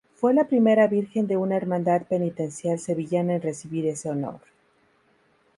Fue la primera Virgen de una hermandad penitencial sevillana en recibir ese honor.